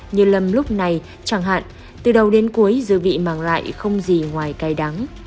như lâm lúc này chẳng hạn từ đầu đến cuối dưa vị mang lại không gì ngoài cay đắng